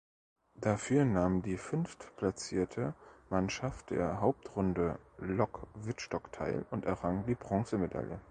Dafür nahm die fünftplatzierte Mannschaft der Hauptrunde Lok Wittstock teil und errang die Bronzemedaille.